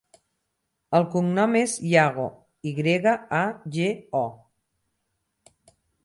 El cognom és Yago: i grega, a, ge, o.